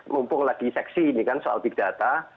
mumpung lagi seksi ini kan soal big data